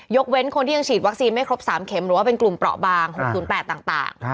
เว้นคนที่ยังฉีดวัคซีนไม่ครบ๓เข็มหรือว่าเป็นกลุ่มเปราะบาง๖๐๘ต่าง